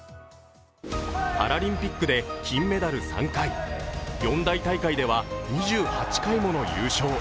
パラリンピックで金メダル３回、四大大会では２８回もの優勝。